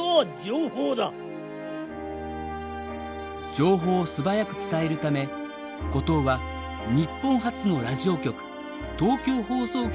情報を素早く伝えるため後藤は日本初のラジオ局東京放送局を設立。